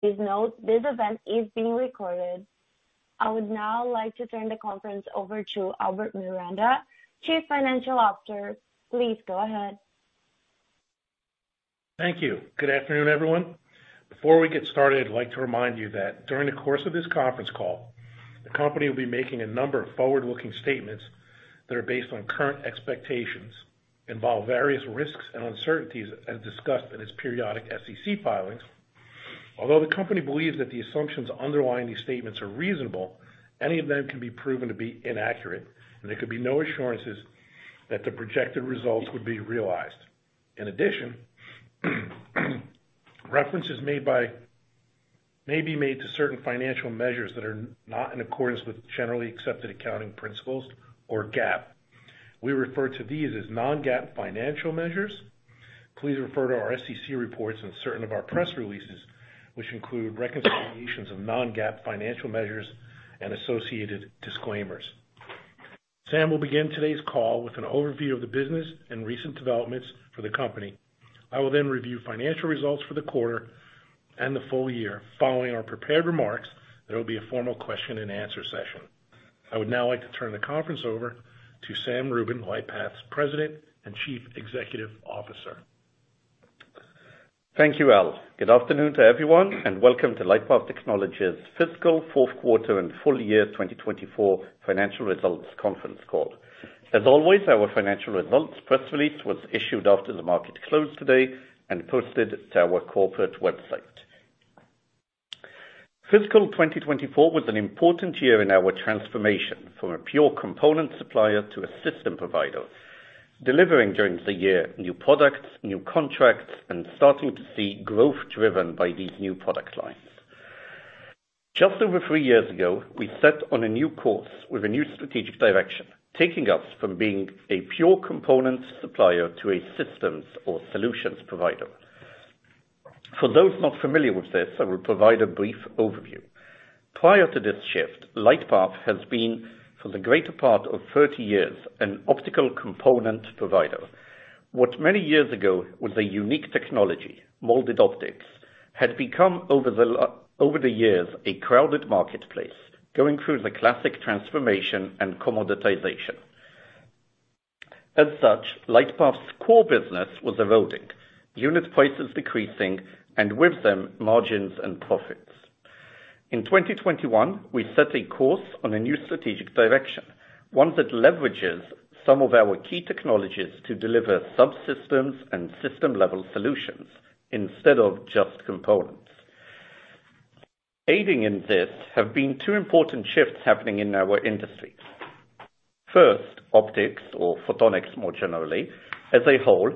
Please note, this event is being recorded. I would now like to turn the conference over to Albert Miranda, Chief Financial Officer. Please go ahead. Thank you. Good afternoon, everyone. Before we get started, I'd like to remind you that during the course of this conference call, the company will be making a number of forward-looking statements that are based on current expectations, involve various risks and uncertainties as discussed in its periodic SEC filings. Although the company believes that the assumptions underlying these statements are reasonable, any of them can be proven to be inaccurate, and there could be no assurances that the projected results would be realized. In addition, references may be made to certain financial measures that are not in accordance with generally accepted accounting principles or GAAP. We refer to these as non-GAAP financial measures. Please refer to our SEC reports and certain of our press releases, which include reconciliations of non-GAAP financial measures and associated disclaimers. Sam will begin today's call with an overview of the business and recent developments for the company. I will then review financial results for the quarter and the full year. Following our prepared remarks, there will be a formal question and answer session. I would now like to turn the conference over to Sam Rubin, LightPath's President and Chief Executive Officer. Thank you, Al. Good afternoon to everyone, and welcome to LightPath Technologies' fiscal fourth quarter and full year 2024 financial results conference call. As always, our financial results press release was issued after the market closed today and posted to our corporate website. Fiscal 2024 was an important year in our transformation from a pure component supplier to a system provider, delivering during the year, new products, new contracts, and starting to see growth driven by these new product lines. Just over three years ago, we set on a new course with a new strategic direction, taking us from being a pure component supplier to a systems or solutions provider. For those not familiar with this, I will provide a brief overview. Prior to this shift, LightPath has been, for the greater part of thirty years, an optical component provider. What many years ago was a unique technology, molded optics, had become, over the years, a crowded marketplace, going through the classic transformation and commoditization. As such, LightPath's core business was eroding, unit prices decreasing, and with them, margins and profits. In 2021, we set a course on a new strategic direction, one that leverages some of our key technologies to deliver subsystems and system-level solutions instead of just components. Aiding in this have been two important shifts happening in our industry. First, optics or photonics, more generally, as a whole,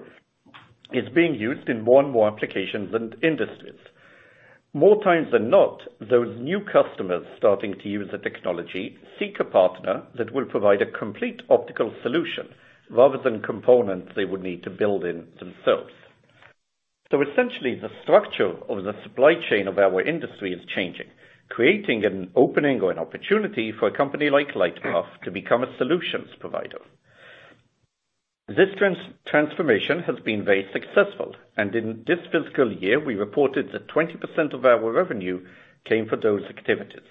is being used in more and more applications and industries. More times than not, those new customers starting to use the technology seek a partner that will provide a complete optical solution rather than components they would need to build in themselves. Essentially, the structure of the supply chain of our industry is changing, creating an opening or an opportunity for a company like LightPath to become a solutions provider. This transformation has been very successful, and in this fiscal year, we reported that 20% of our revenue came from those activities.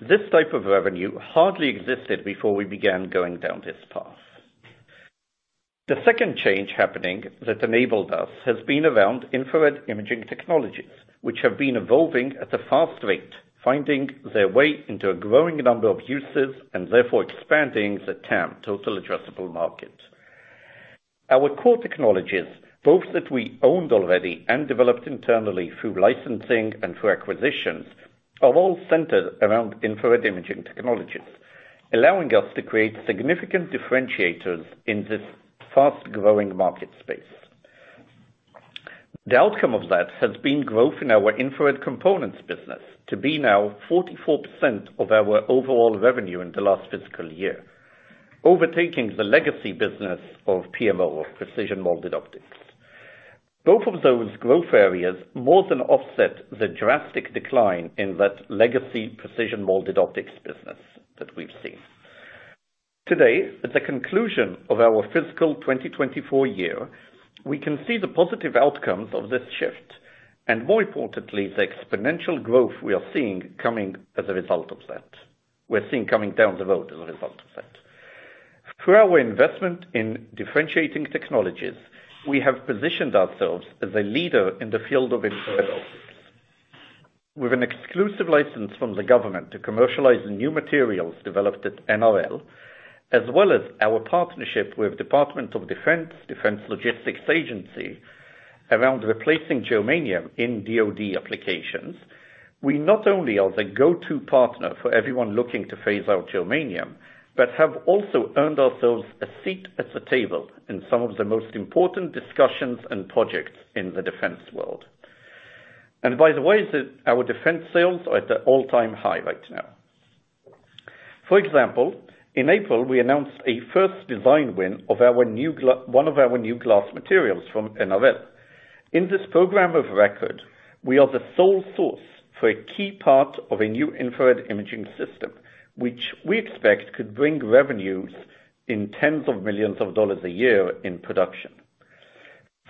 This type of revenue hardly existed before we began going down this path. The second change happening that enabled us has been around infrared imaging technologies, which have been evolving at a fast rate, finding their way into a growing number of uses and therefore expanding the TAM, Total Addressable Market. Our core technologies, both that we owned already and developed internally through licensing and through acquisitions, are all centered around infrared imaging technologies, allowing us to create significant differentiators in this fast-growing market space. The outcome of that has been growth in our infrared components business to be now 44% of our overall revenue in the last fiscal year, overtaking the legacy business of PMO or precision molded optics. Both of those growth areas more than offset the drastic decline in that legacy precision molded optics business that we've seen. Today, at the conclusion of our fiscal 2024 year, we can see the positive outcomes of this shift, and more importantly, the exponential growth we are seeing coming as a result of that. We're seeing coming down the road as a result of that. Through our investment in differentiating technologies, we have positioned ourselves as a leader in the field of infrared optics. With an exclusive license from the government to commercialize new materials developed at NRL, as well as our partnership with Department of Defense, Defense Logistics Agency, around replacing germanium in DoD applications, we not only are the go-to partner for everyone looking to phase out germanium, but have also earned ourselves a seat at the table in some of the most important discussions and projects in the defense world. By the way, our defense sales are at an all-time high right now. For example, in April, we announced a first design win of our new glass materials from NRL. In this program of record, we are the sole source for a key part of a new infrared imaging system, which we expect could bring revenues in tens of millions of dollars a year in production.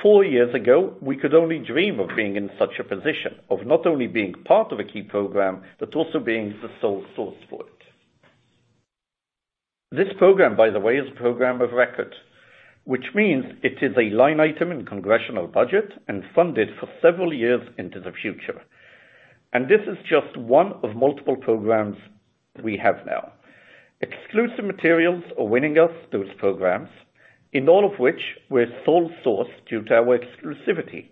Four years ago, we could only dream of being in such a position, of not only being part of a key program, but also being the sole source for it. This program, by the way, is a program of record, which means it is a line item in congressional budget and funded for several years into the future, and this is just one of multiple programs we have now. Exclusive materials are winning us those programs, in all of which we're sole source due to our exclusivity.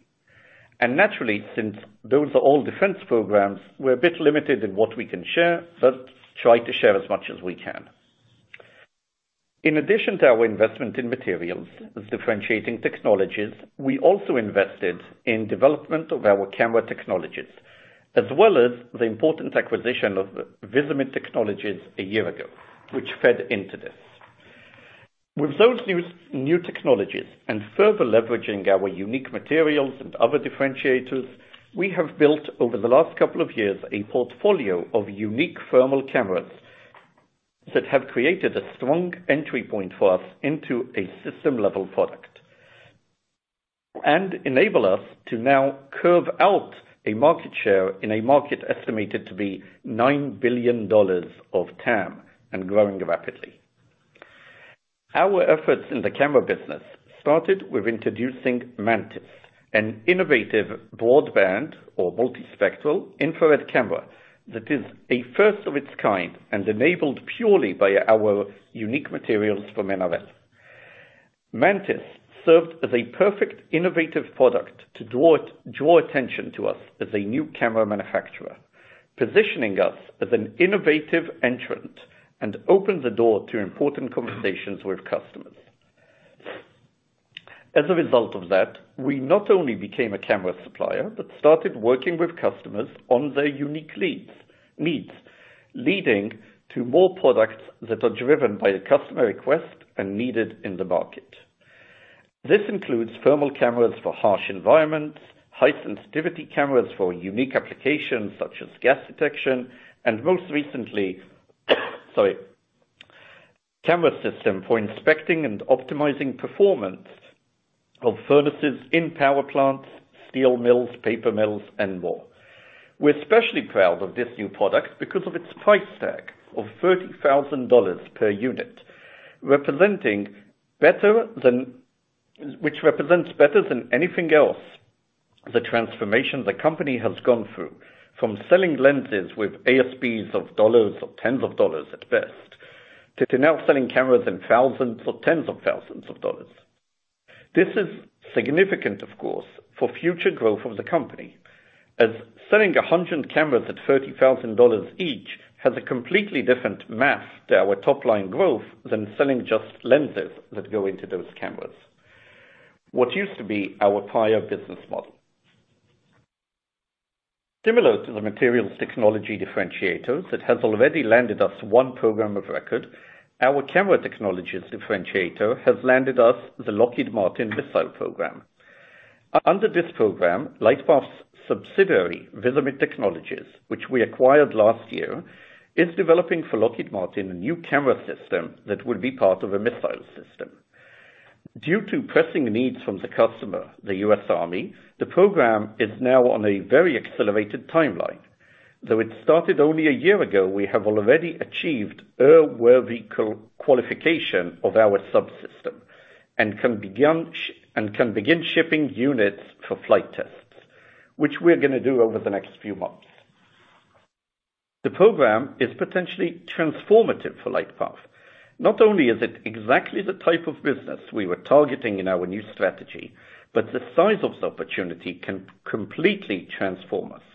And naturally, since those are all defense programs, we're a bit limited in what we can share, but try to share as much as we can. In addition to our investment in materials as differentiating technologies, we also invested in development of our camera technologies, as well as the important acquisition of Visimid Technologies a year ago, which fed into this. With those new technologies and further leveraging our unique materials and other differentiators, we have built over the last couple of years a portfolio of unique thermal cameras that have created a strong entry point for us into a system-level product, and enable us to now carve out a market share in a market estimated to be $9 billion of TAM and growing rapidly. Our efforts in the camera business started with introducing Mantis, an innovative broadband or multispectral infrared camera that is a first of its kind and enabled purely by our unique materials from NRL. Mantis served as a perfect innovative product to draw attention to us as a new camera manufacturer, positioning us as an innovative entrant and opened the door to important conversations with customers. As a result of that, we not only became a camera supplier, but started working with customers on their unique needs, leading to more products that are driven by a customer request and needed in the market. This includes thermal cameras for harsh environments, high sensitivity cameras for unique applications such as gas detection, and most recently, sorry, camera system for inspecting and optimizing performance of furnaces in power plants, steel mills, paper mills, and more. We're especially proud of this new product because of its price tag of $30,000 per unit, which represents better than anything else the transformation the company has gone through from selling lenses with ASPs of dollars or tens of dollars at best, to now selling cameras in thousands or tens of thousands of dollars. This is significant, of course, for future growth of the company, as selling 100 cameras at $30,000 each has a completely different math to our top-line growth than selling just lenses that go into those cameras, what used to be our prior business model. Similar to the materials technology differentiators that has already landed us one program of record, our camera technologies differentiator has landed us the Lockheed Martin missile program. Under this program, LightPath's subsidiary, Visimid Technologies, which we acquired last year, is developing for Lockheed Martin, a new camera system that will be part of a missile system. Due to pressing needs from the customer, the U.S. Army, the program is now on a very accelerated timeline. Though it started only a year ago, we have already achieved airworthiness qualification of our subsystem, and can begin shipping units for flight tests, which we're gonna do over the next few months. The program is potentially transformative for LightPath. Not only is it exactly the type of business we were targeting in our new strategy, but the size of the opportunity can completely transform us.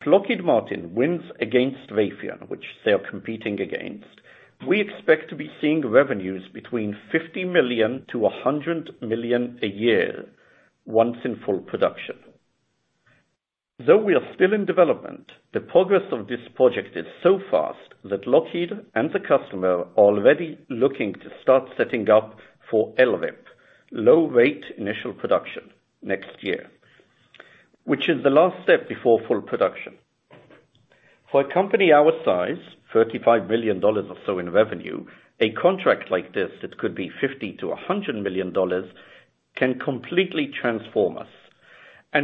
If Lockheed Martin wins against Raytheon, which they are competing against, we expect to be seeing revenues between $50 million to $100 million a year once in full production. Though we are still in development, the progress of this project is so fast that Lockheed and the customer are already looking to start setting up for LRIP, Low Rate Initial Production, next year, which is the last step before full production. For a company our size, $35 million or so in revenue, a contract like this, it could be $50-$100 million, can completely transform us.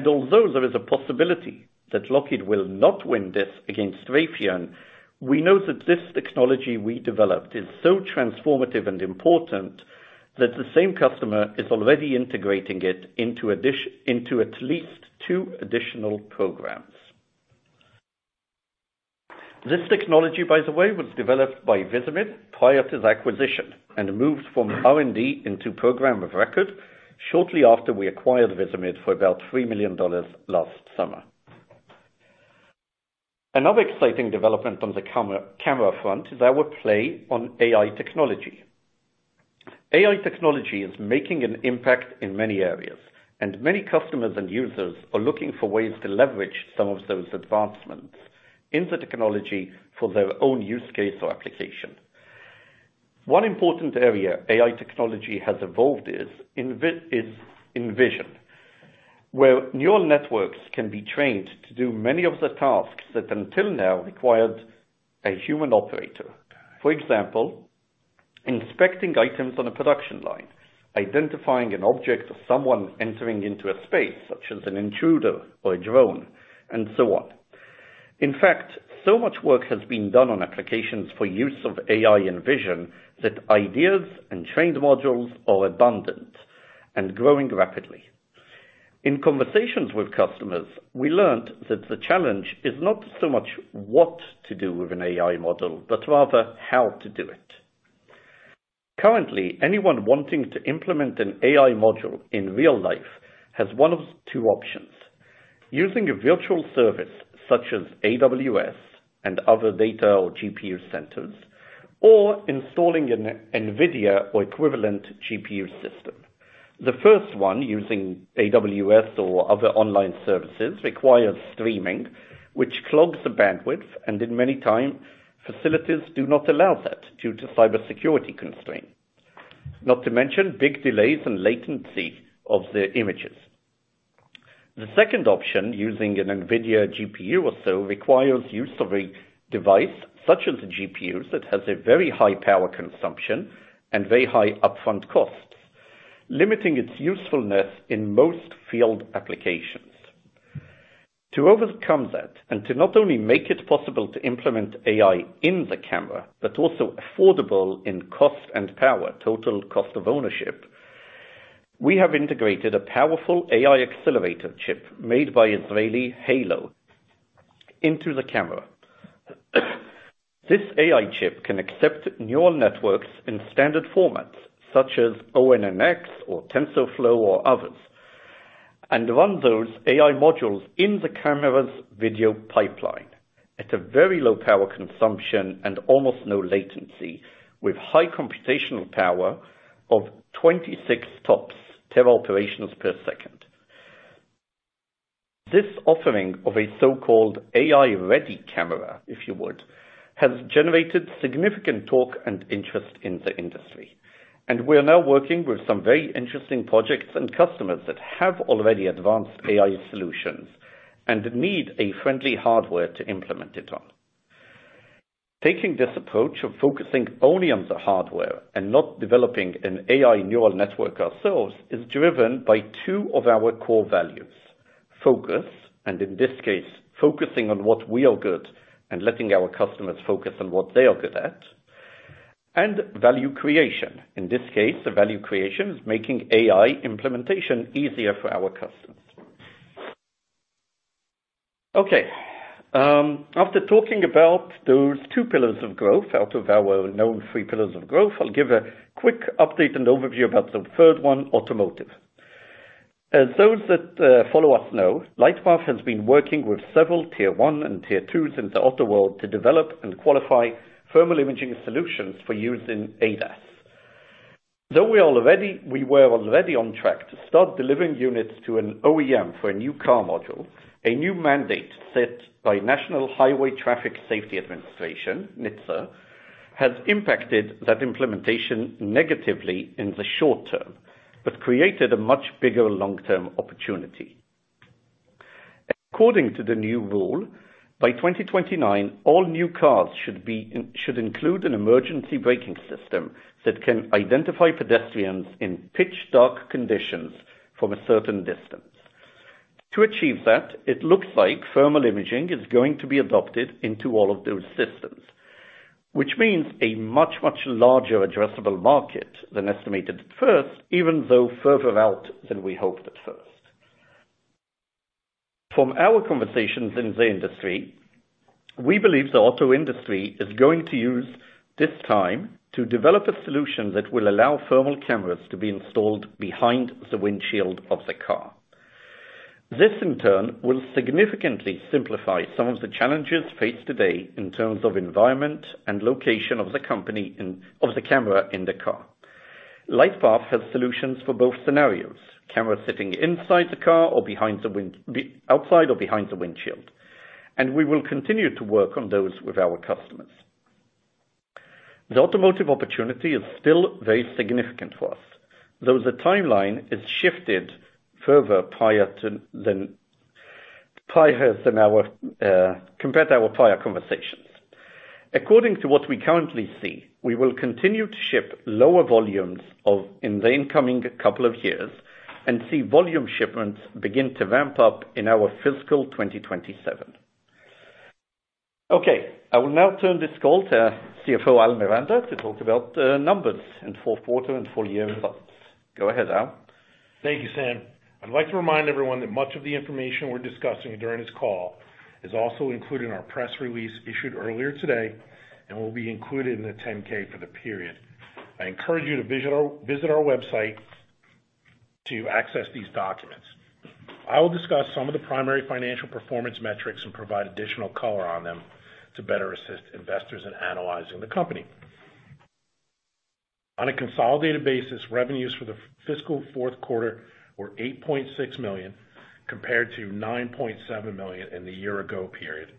Although there is a possibility that Lockheed will not win this against Raytheon, we know that this technology we developed is so transformative and important that the same customer is already integrating it into at least two additional programs. This technology, by the way, was developed by Visimid prior to the acquisition and moved from R&D into program of record shortly after we acquired Visimid for about $3 million last summer. Another exciting development on the camera front is our play on AI technology. AI technology is making an impact in many areas, and many customers and users are looking for ways to leverage some of those advancements in the technology for their own use case or application. One important area AI technology has evolved is in vision, where neural networks can be trained to do many of the tasks that until now required a human operator. For example, inspecting items on a production line, identifying an object or someone entering into a space, such as an intruder or a drone, and so on. In fact, so much work has been done on applications for use of AI and vision, that ideas and trained modules are abundant and growing rapidly. In conversations with customers, we learned that the challenge is not so much what to do with an AI model, but rather how to do it. Currently, anyone wanting to implement an AI module in real life has one of two options: using a virtual service such as AWS and other data or GPU centers, or installing an NVIDIA or equivalent GPU system. The first one, using AWS or other online services, requires streaming, which clogs the bandwidth, and in many times, facilities do not allow that due to cybersecurity constraint, not to mention big delays and latency of the images. The second option, using an NVIDIA GPU or so, requires use of a device such as a GPU, that has a very high power consumption and very high upfront costs, limiting its usefulness in most field applications. To overcome that, and to not only make it possible to implement AI in the camera, but also affordable in cost and power, total cost of ownership, we have integrated a powerful AI accelerator chip made by Israeli Hailo into the camera. This AI chip can accept neural networks in standard formats such as ONNX or TensorFlow or others, and run those AI modules in the camera's video pipeline at a very low power consumption and almost no latency, with high computational power of twenty-six TOPS, tera operations per second. This offering of a so-called AI-ready camera, if you would, has generated significant talk and interest in the industry, and we are now working with some very interesting projects and customers that have already advanced AI solutions and need a friendly hardware to implement it on. Taking this approach of focusing only on the hardware and not developing an AI neural network ourselves, is driven by two of our core values: focus, and in this case, focusing on what we are good and letting our customers focus on what they are good at, and value creation. In this case, the value creation is making AI implementation easier for our customers. Okay, after talking about those two pillars of growth out of our known three pillars of growth, I'll give a quick update and overview about the third one, automotive. As those that follow us know, LightPath has been working with several tier one and tier twos in the auto world to develop and qualify thermal imaging solutions for use in ADAS. Though we were already on track to start delivering units to an OEM for a new car module, a new mandate set by National Highway Traffic Safety Administration, NHTSA, has impacted that implementation negatively in the short term, but created a much bigger long-term opportunity. According to the new rule, by twenty twenty-nine, all new cars should include an emergency braking system that can identify pedestrians in pitch dark conditions from a certain distance. To achieve that, it looks like thermal imaging is going to be adopted into all of those systems, which means a much, much larger addressable market than estimated at first, even though further out than we hoped at first. From our conversations in the industry, we believe the auto industry is going to use this time to develop a solution that will allow thermal cameras to be installed behind the windshield of the car. This, in turn, will significantly simplify some of the challenges faced today in terms of environment and location of the camera in the car. LightPath has solutions for both scenarios, cameras sitting inside the car or outside or behind the windshield, and we will continue to work on those with our customers. The automotive opportunity is still very significant for us, though the timeline is shifted further out than our prior conversations. According to what we currently see, we will continue to ship lower volumes in the incoming couple of years, and see volume shipments begin to ramp up in our fiscal twenty twenty-seven. Okay, I will now turn this call to CFO, Al Miranda, to talk about the numbers in fourth quarter and full year results. Go ahead, Al. Thank you, Sam. I'd like to remind everyone that much of the information we're discussing during this call is also included in our press release issued earlier today, and will be included in the 10-K for the period. I encourage you to visit our website to access these documents. I will discuss some of the primary financial performance metrics and provide additional color on them to better assist investors in analyzing the company. On a consolidated basis, revenues for the fiscal fourth quarter were $8.6 million, compared to $9.7 million in the year ago period.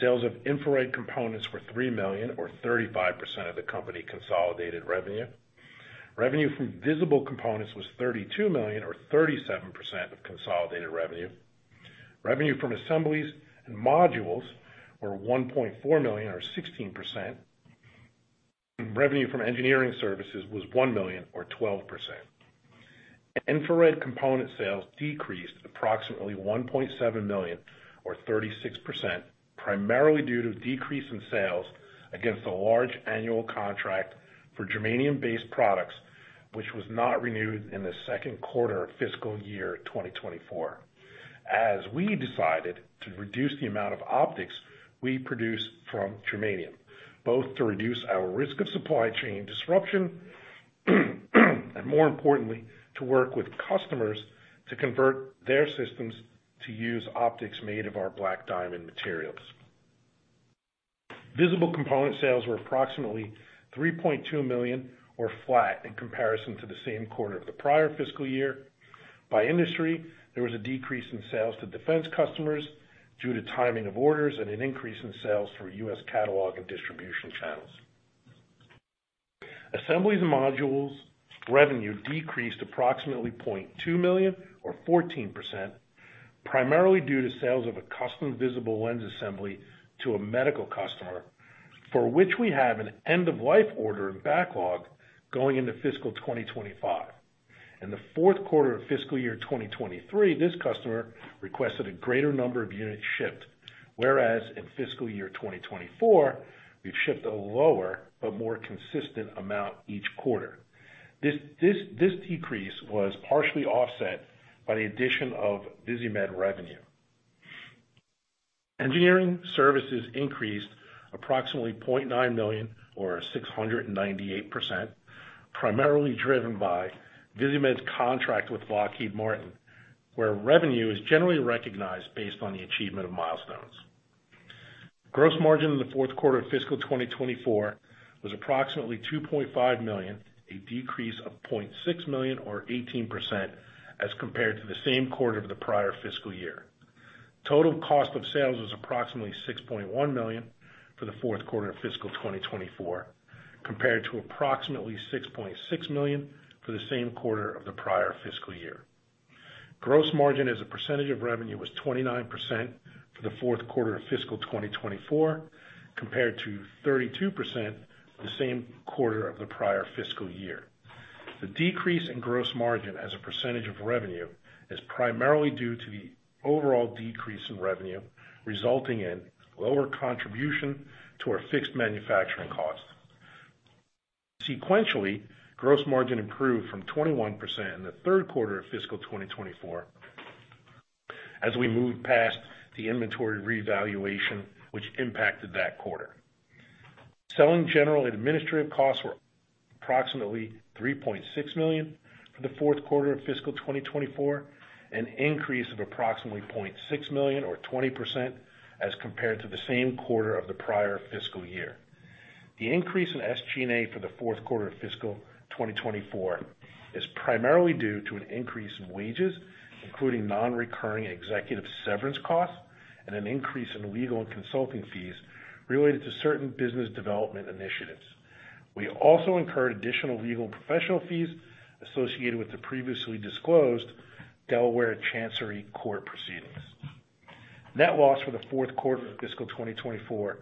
Sales of infrared components were $3 million, or 35% of the company's consolidated revenue. Revenue from visible components was $3.2 million, or 37% of consolidated revenue. Revenue from assemblies and modules were $1.4 million, or 16%. Revenue from engineering services was $1 million, or 12%. Infrared component sales decreased approximately $1.7 million, or 36%, primarily due to decrease in sales against a large annual contract for germanium-based products, which was not renewed in the second quarter of fiscal year 2024. As we decided to reduce the amount of optics we produce from germanium, both to reduce our risk of supply chain disruption, and more importantly, to work with customers to convert their systems to use optics made of our Black Diamond materials. Visible component sales were approximately $3.2 million, or flat, in comparison to the same quarter of the prior fiscal year. By industry, there was a decrease in sales to defense customers due to timing of orders and an increase in sales through U.S. catalog and distribution channels. Assemblies and modules revenue decreased approximately $0.2 million, or 14%, primarily due to sales of a custom visible lens assembly to a medical customer, for which we have an end-of-life order in backlog going into fiscal 2025. In the fourth quarter of fiscal year 2023, this customer requested a greater number of units shipped, whereas in fiscal year 2024, we've shipped a lower but more consistent amount each quarter. This decrease was partially offset by the addition of Visimid revenue. Engineering services increased approximately $0.9 million, or 698%, primarily driven by Visimid's contract with Lockheed Martin, where revenue is generally recognized based on the achievement of milestones. Gross margin in the fourth quarter of fiscal 2024 was approximately $2.5 million, a decrease of $0.6 million, or 18%, as compared to the same quarter of the prior fiscal year. Total cost of sales was approximately $6.1 million for the fourth quarter of fiscal 2024, compared to approximately $6.6 million for the same quarter of the prior fiscal year. Gross margin, as a percentage of revenue, was 29% for the fourth quarter of fiscal 2024, compared to 32% the same quarter of the prior fiscal year. The decrease in gross margin as a percentage of revenue is primarily due to the overall decrease in revenue, resulting in lower contribution to our fixed manufacturing costs. Sequentially, gross margin improved from 21% in the third quarter of fiscal 2024 as we moved past the inventory revaluation, which impacted that quarter. Selling general and administrative costs were approximately $3.6 million for the fourth quarter of fiscal 2024, an increase of approximately $0.6 million, or 20%, as compared to the same quarter of the prior fiscal year. The increase in SG&A for the fourth quarter of fiscal 2024 is primarily due to an increase in wages, including non-recurring executive severance costs and an increase in legal and consulting fees related to certain business development initiatives. We also incurred additional legal and professional fees associated with the previously disclosed Delaware Chancery Court proceedings. Net loss for the fourth quarter of fiscal 2024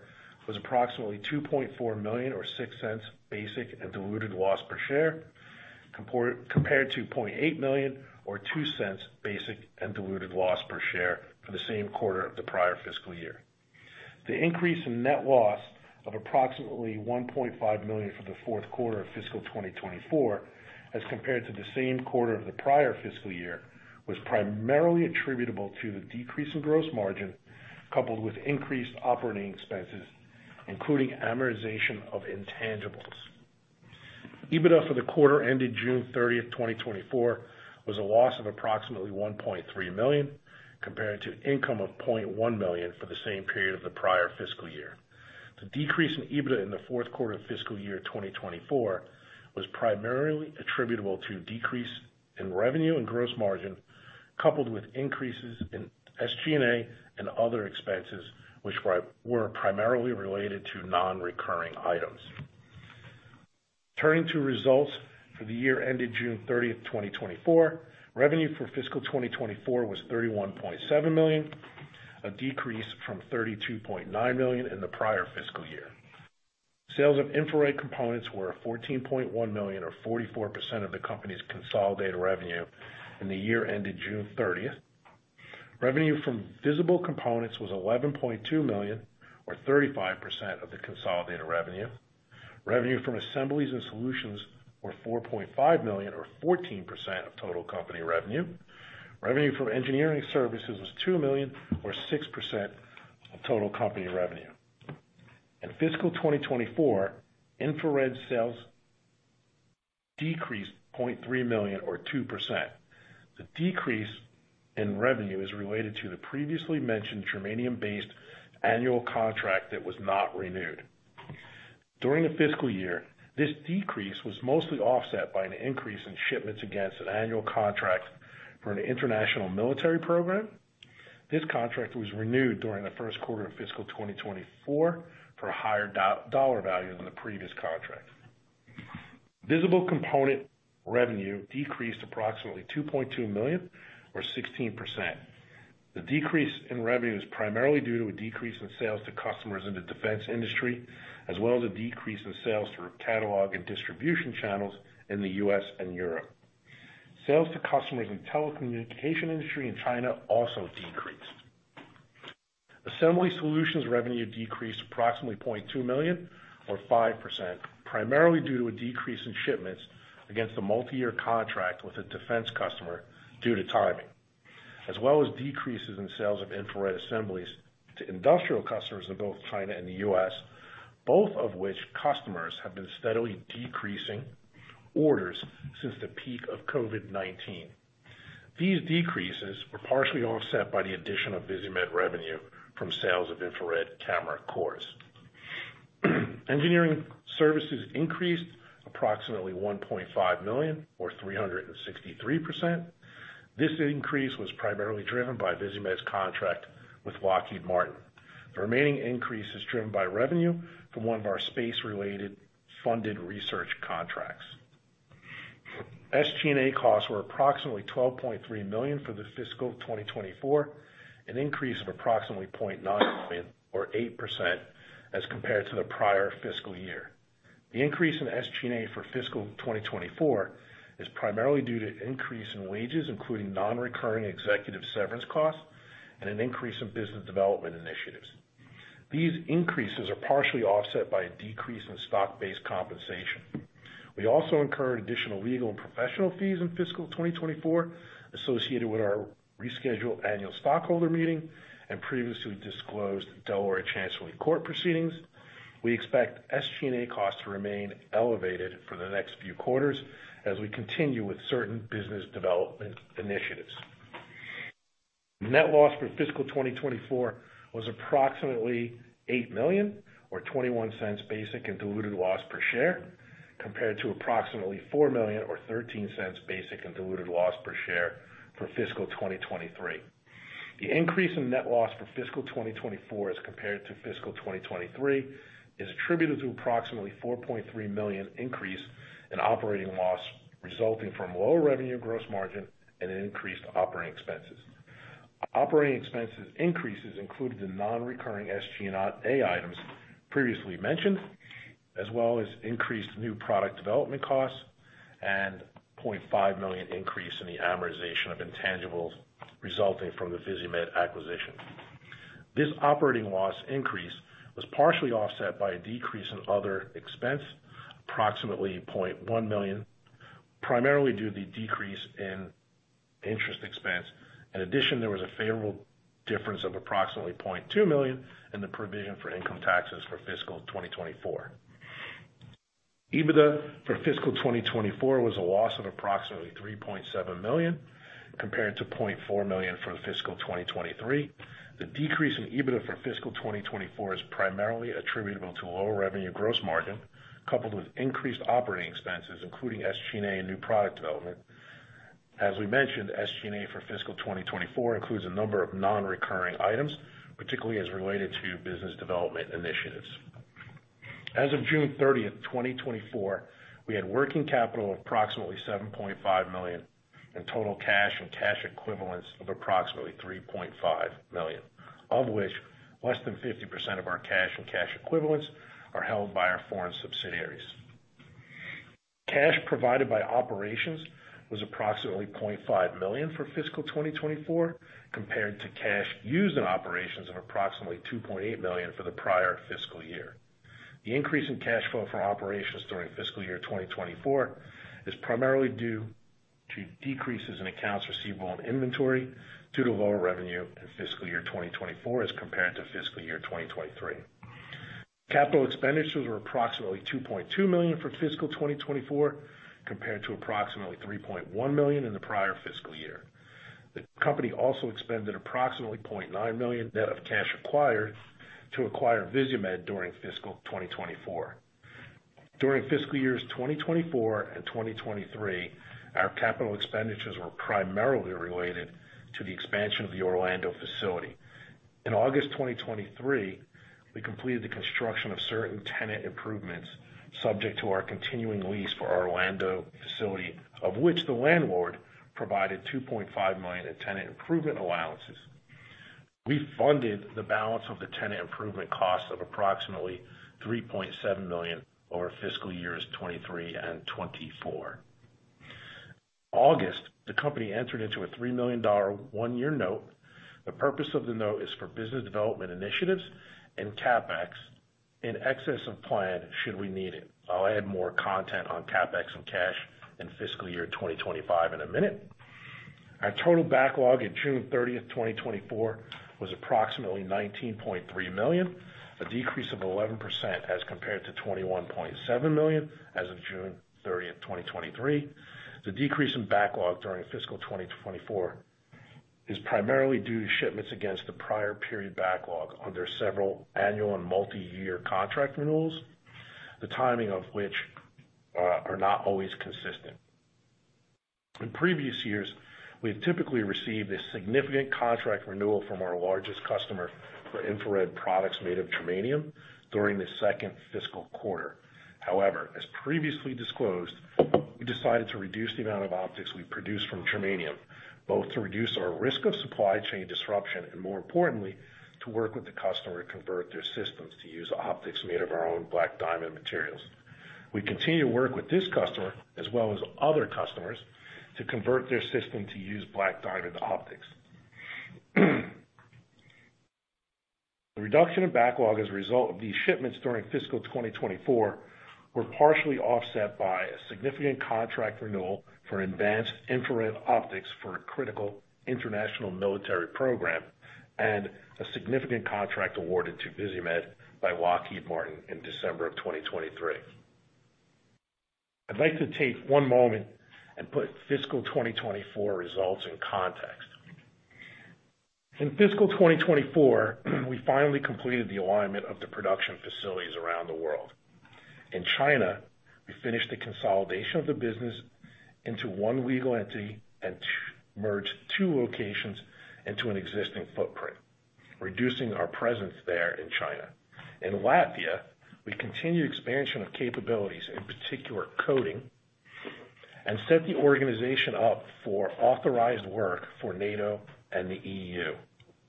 was approximately $2.4 million, or $0.06 basic and diluted loss per share, compared to $0.8 million, or $0.02 basic and diluted loss per share for the same quarter of the prior fiscal year. The increase in net loss of approximately $1.5 million for the fourth quarter of fiscal 2024, as compared to the same quarter of the prior fiscal year, was primarily attributable to the decrease in gross margin, coupled with increased operating expenses, including amortization of intangibles. EBITDA for the quarter ended June 30, 2024, was a loss of approximately $1.3 million, compared to income of $0.1 million for the same period of the prior fiscal year. The decrease in EBITDA in the fourth quarter of fiscal year 2024 was primarily attributable to decrease in revenue and gross margin, coupled with increases in SG&A and other expenses, which were primarily related to non-recurring items. Turning to results for the year ended June thirtieth, 2024. Revenue for fiscal 2024 was $31.7 million, a decrease from $32.9 million in the prior fiscal year. Sales of infrared components were $14.1 million, or 44% of the company's consolidated revenue in the year ended June thirtieth. Revenue from visible components was $11.2 million, or 35% of the consolidated revenue. Revenue from assemblies and solutions were $4.5 million, or 14% of total company revenue. Revenue from engineering services was $2 million, or 6% of total company revenue. In fiscal 2024, infrared sales decreased $0.3 million, or 2%. The decrease in revenue is related to the previously mentioned germanium-based annual contract that was not renewed. During the fiscal year, this decrease was mostly offset by an increase in shipments against an annual contract for an international military program. This contract was renewed during the first quarter of fiscal 2024 for a higher dollar value than the previous contract. Visible component revenue decreased approximately $2.2 million, or 16%. The decrease in revenue is primarily due to a decrease in sales to customers in the defense industry, as well as a decrease in sales through catalog and distribution channels in the U.S. and Europe. Sales to customers in the telecommunications industry in China also decreased. Assembly solutions revenue decreased approximately $0.2 million, or 5%, primarily due to a decrease in shipments against a multi-year contract with a defense customer due to timing, as well as decreases in sales of infrared assemblies to industrial customers in both China and the U.S., both of which customers have been steadily decreasing orders since the peak of COVID-19. These decreases were partially offset by the addition of Visimid revenue from sales of infrared camera cores. Engineering services increased approximately $1.5 million, or 363%. This increase was primarily driven by Visimid's contract with Lockheed Martin. The remaining increase is driven by revenue from one of our space-related funded research contracts. SG&A costs were approximately $12.3 million for the fiscal 2024, an increase of approximately $0.9 million, or 8%, as compared to the prior fiscal year. The increase in SG&A for fiscal 2024 is primarily due to an increase in wages, including non-recurring executive severance costs and an increase in business development initiatives. These increases are partially offset by a decrease in stock-based compensation. We also incurred additional legal and professional fees in fiscal 2024 associated with our rescheduled annual stockholder meeting and previously disclosed Delaware Chancery Court proceedings. We expect SG&A costs to remain elevated for the next few quarters as we continue with certain business development initiatives. Net loss for fiscal 2024 was approximately $8 million, or $0.21 basic and diluted loss per share, compared to approximately $4 million or $0.13 basic and diluted loss per share for fiscal 2023. The increase in net loss for fiscal 2024 as compared to fiscal 2023 is attributed to approximately $4.3 million increase in operating loss, resulting from lower revenue gross margin and an increased operating expenses. Operating expenses increases included the non-recurring SG&A items previously mentioned, as well as increased new product development costs and $0.5 million increase in the amortization of intangibles resulting from the Visimid acquisition. This operating loss increase was partially offset by a decrease in other expense, approximately $0.1 million, primarily due to the decrease in interest expense. In addition, there was a favorable difference of approximately $0.2 million in the provision for income taxes for fiscal 2024. EBITDA for fiscal 2024 was a loss of approximately $3.7 million, compared to $0.4 million for fiscal 2023. The decrease in EBITDA for fiscal 2024 is primarily attributable to a lower revenue gross margin, coupled with increased operating expenses, including SG&A and new product development. As we mentioned, SG&A for fiscal 2024 includes a number of non-recurring items, particularly as related to business development initiatives. As of June 30, 2024, we had working capital of approximately $7.5 million and total cash and cash equivalents of approximately $3.5 million, of which less than 50% of our cash and cash equivalents are held by our foreign subsidiaries. Cash provided by operations was approximately $0.5 million for fiscal 2024, compared to cash used in operations of approximately $2.8 million for the prior fiscal year. The increase in cash flow from operations during fiscal year 2024 is primarily due to decreases in accounts receivable and inventory due to lower revenue in fiscal year 2024 as compared to fiscal year 2023. Capital expenditures were approximately $2.2 million for fiscal 2024, compared to approximately $3.1 million in the prior fiscal year. The company also expended approximately $0.9 million net of cash acquired to acquire Visimid during fiscal 2024. During fiscal years 2024 and 2023, our capital expenditures were primarily related to the expansion of the Orlando facility. In August 2023, we completed the construction of certain tenant improvements subject to our continuing lease for our Orlando facility, of which the landlord provided $2.5 million in tenant improvement allowances. We funded the balance of the tenant improvement cost of approximately $3.7 million over fiscal years 2023 and 2024. August, the company entered into a $3 million one-year note. The purpose of the note is for business development initiatives and CapEx in excess of plan, should we need it. I'll add more content on CapEx and cash in fiscal year 2025 in a minute. Our total backlog as of June 30th, 2024, was approximately $19.3 million, a decrease of 11% as compared to $21.7 million as of June 30th, 2023. The decrease in backlog during fiscal 2024 is primarily due to shipments against the prior period backlog under several annual and multi-year contract renewals, the timing of which are not always consistent. In previous years, we've typically received a significant contract renewal from our largest customer for infrared products made of germanium during the second fiscal quarter. However, as previously disclosed, we decided to reduce the amount of optics we produce from germanium, both to reduce our risk of supply chain disruption and more importantly, to work with the customer to convert their systems to use optics made of our own Black Diamond materials. We continue to work with this customer, as well as other customers, to convert their system to use Black Diamond optics. The reduction in backlog as a result of these shipments during fiscal 2024 were partially offset by a significant contract renewal for advanced infrared optics for a critical international military program and a significant contract awarded to Visimid by Lockheed Martin in December of 2023. I'd like to take one moment and put fiscal 2024 results in context. In fiscal 2024, we finally completed the alignment of the production facilities around the world. In China, we finished the consolidation of the business into one legal entity and merged two locations into an existing footprint, reducing our presence there in China. In Latvia, we continued expansion of capabilities, in particular, coding, and set the organization up for authorized work for NATO and the EU,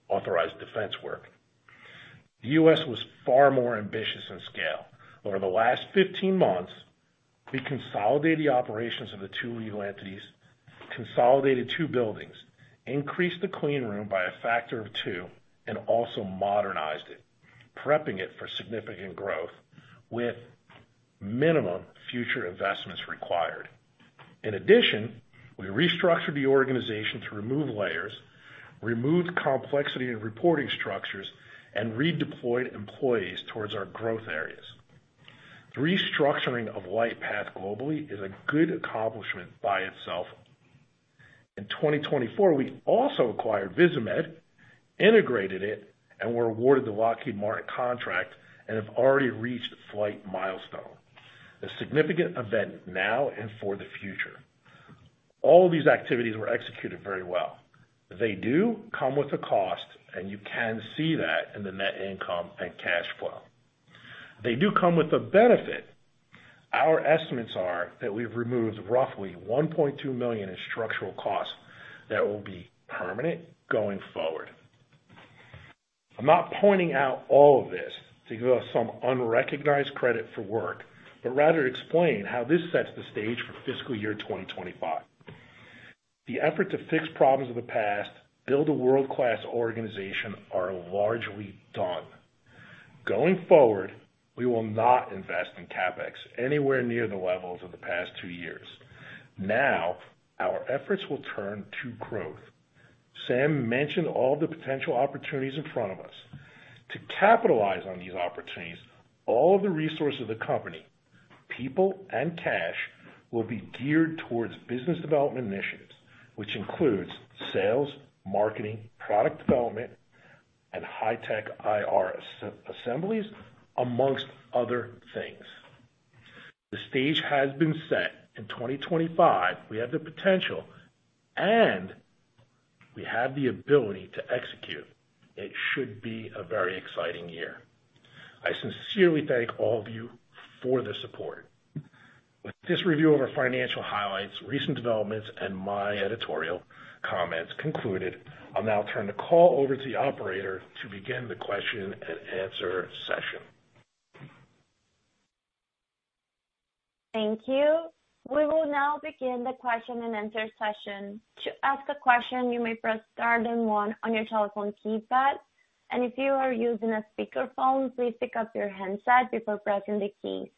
authorized defense work. The U.S. was far more ambitious in scale. Over the last fifteen months, we consolidated the operations of the two legal entities, consolidated two buildings, increased the clean room by a factor of two, and also modernized it, prepping it for significant growth with minimum future investments required. In addition, we restructured the organization to remove layers, removed complexity in reporting structures, and redeployed employees towards our growth areas. The restructuring of LightPath globally is a good accomplishment by itself. In twenty twenty-four, we also acquired Visimid, integrated it, and were awarded the Lockheed Martin contract and have already reached a flight milestone, a significant event now and for the future. All these activities were executed very well. They do come with a cost, and you can see that in the net income and cash flow. They do come with a benefit. Our estimates are that we've removed roughly $1.2 million in structural costs that will be permanent going forward. I'm not pointing out all of this to give us some unrecognized credit for work, but rather explain how this sets the stage for fiscal year twenty twenty-five. The effort to fix problems of the past, build a world-class organization, are largely done. Going forward, we will not invest in CapEx anywhere near the levels of the past two years. Now, our efforts will turn to growth. Sam mentioned all the potential opportunities in front of us. To capitalize on these opportunities, all the resources of the company, people and cash, will be geared towards business development initiatives, which includes sales, marketing, product development, and high-tech IR assemblies, among other things. The stage has been set. In twenty twenty-five, we have the potential, and we have the ability to execute. It should be a very exciting year. I sincerely thank all of you for the support. With this review of our financial highlights, recent developments, and my editorial comments concluded, I'll now turn the call over to the operator to begin the question and answer session. Thank you. We will now begin the question and answer session. To ask a question, you may press star then one on your telephone keypad, and if you are using a speakerphone, please pick up your handset before pressing the key.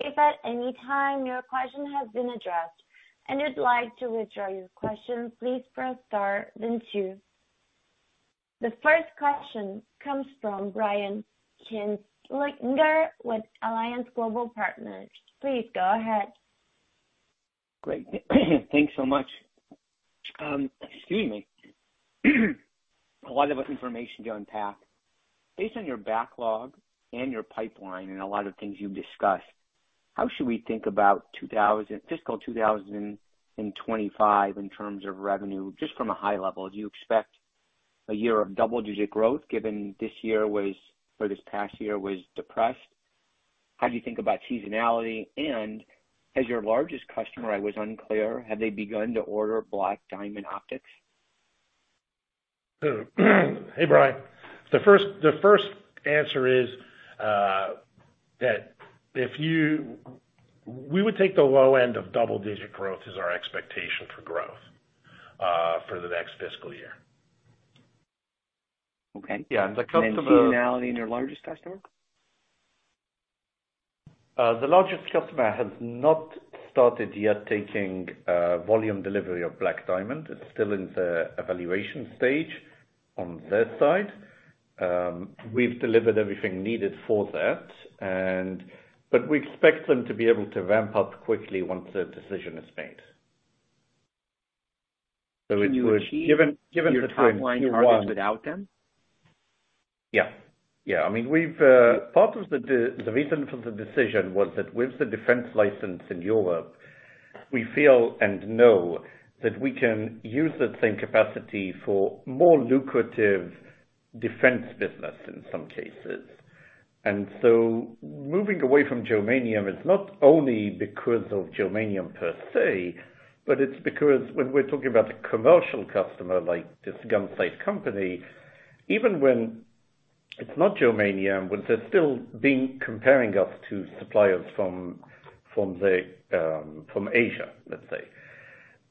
If at any time your question has been addressed and you'd like to withdraw your question, please press star then two. The first question comes from Brian Kinstlinger with Alliance Global Partners. Please go ahead. Great. Thanks so much. Excuse me. A lot of information to unpack. Based on your backlog and your pipeline and a lot of things you've discussed, how should we think about fiscal two thousand and twenty-five in terms of revenue, just from a high level? Do you expect a year of double-digit growth, given this year was, or this past year was depressed? How do you think about seasonality? And as your largest customer, I was unclear, have they begun to order Black Diamond optics? Hey, Brian. The first answer is that we would take the low end of double-digit growth as our expectation for growth for the next fiscal year. Okay. Yeah, and the customer- Seasonality in your largest customer? The largest customer has not started yet taking volume delivery of Black Diamond. It's still in the evaluation stage on their side. We've delivered everything needed for that, and but we expect them to be able to ramp up quickly once the decision is made, so it was given the- Can you achieve your top line targets without them? Yeah. Yeah, I mean, we've part of the reason for the decision was that with the defense license in Europe, we feel and know that we can use the same capacity for more lucrative defense business in some cases. And so moving away from germanium is not only because of germanium per se, but it's because when we're talking about the commercial customer, like this gunsight company, even when it's not germanium, but they're still being comparing us to suppliers from Asia, let's say.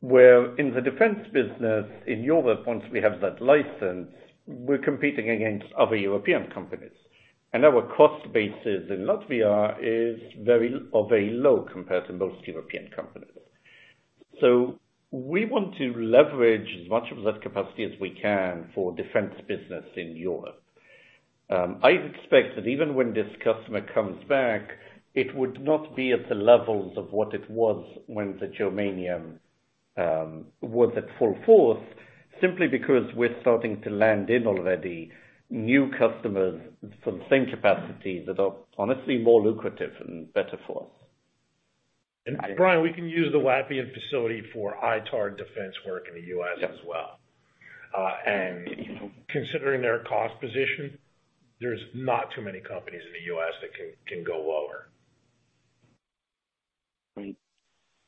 Where in the defense business, in Europe, once we have that license, we're competing against other European companies. And our cost bases in Latvia is very low compared to most European companies. So we want to leverage as much of that capacity as we can for defense business in Europe. I expect that even when this customer comes back, it would not be at the levels of what it was when the germanium was at full force, simply because we're starting to land in already new customers for the same capacity that are honestly more lucrative and better for us. Brian, we can use the Latvian facility for ITAR defense work in the U.S. as well. Yeah. You know, considering their cost position, there's not too many companies in the U.S. that can go lower. Right.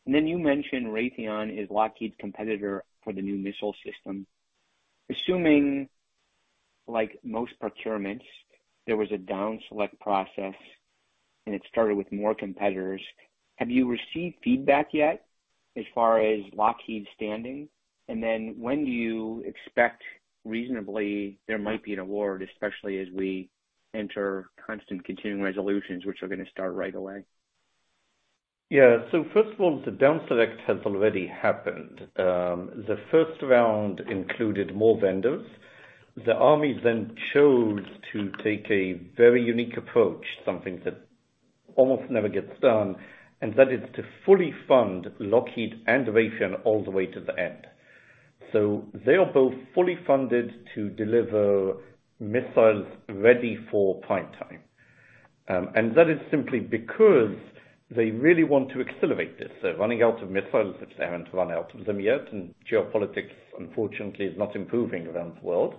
And then you mentioned Raytheon is Lockheed's competitor for the new missile system. Assuming, like most procurements, there was a down-select process, and it started with more competitors, have you received feedback yet as far as Lockheed's standing? And then when do you expect, reasonably, there might be an award, especially as we enter constant continuing resolutions, which are going to start right away? Yeah. So first of all, the down-select has already happened. The first round included more vendors. The army then chose to take a very unique approach, something that almost never gets done, and that is to fully fund Lockheed Martin and Raytheon all the way to the end. So they are both fully funded to deliver missiles ready for prime time. And that is simply because they really want to accelerate this. They're running out of missiles, if they haven't run out of them yet, and geopolitics, unfortunately, is not improving around the world.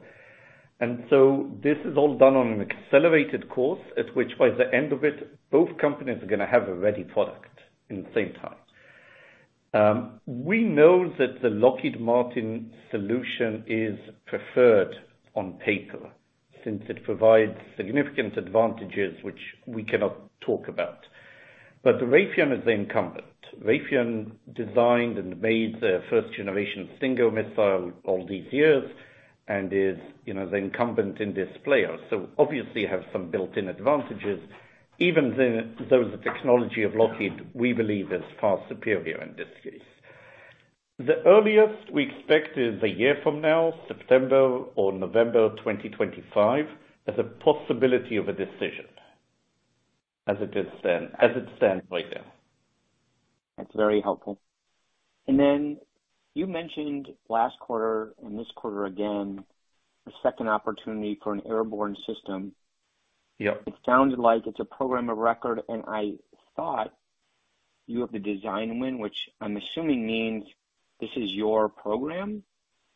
And so this is all done on an accelerated course, at which, by the end of it, both companies are going to have a ready product in the same time. We know that the Lockheed Martin solution is preferred on paper, since it provides significant advantages, which we cannot talk about. But Raytheon is the incumbent. Raytheon designed and made the first generation of Stinger missile all these years and is, you know, the incumbent in this player, so obviously have some built-in advantages. Even then, though, the technology of Lockheed, we believe, is far superior in this case. The earliest we expect is a year from now, September or November 2025, as a possibility of a decision, as it is then, as it stands right now. That's very helpful. And then you mentioned last quarter and this quarter again, a second opportunity for an airborne system. Yep. It sounded like it's a program of record, and I thought you have the design win, which I'm assuming means this is your program.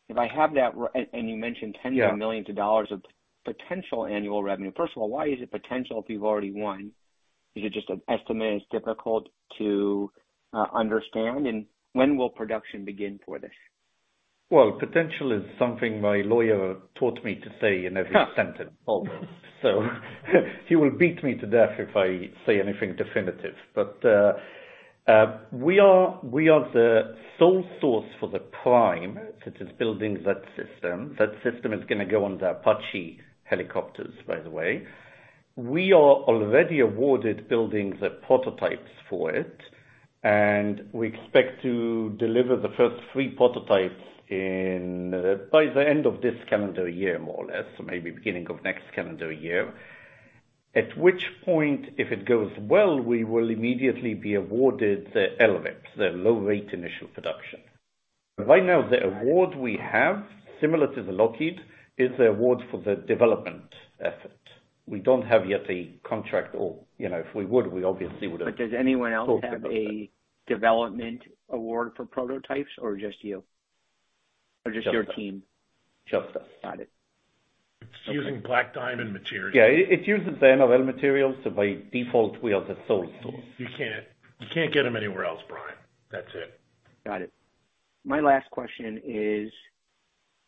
If I have that right, and you mentioned tens- Yeah... of millions of dollars of potential annual revenue. First of all, why is it potential if you've already won? Is it just an estimate? It's difficult to understand? And when will production begin for this? Well, potential is something my lawyer taught me to say in every sentence almost. So he will beat me to death if I say anything definitive. But we are the sole source for the prime such as building that system. That system is going to go on the Apache helicopters, by the way. We are already awarded building the prototypes for it, and we expect to deliver the first three prototypes by the end of this calendar year, more or less, so maybe beginning of next calendar year. At which point, if it goes well, we will immediately be awarded the LRIP, the Low Rate Initial Production. Right now, the award we have, similar to the Lockheed, is the award for the development effort. We don't have yet a contract or, you know, if we would, we obviously would have- But does anyone else have a development award for prototypes or just you? Or just your team? Just us. Got it. It's using Black Diamond materials. Yeah, it, it uses the NRL materials, so by default, we are the sole source. You can't, you can't get them anywhere else, Brian. That's it. Got it. My last question is,